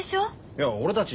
いや俺たち